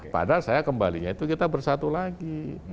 padahal saya kembalinya itu kita bersatu lagi